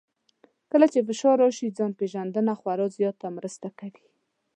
کله چې فشار راشي، ځان پېژندنه خورا زیاته مرسته کوي.